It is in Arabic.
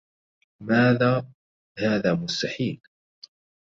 ماذا؟ هذا مستحيل.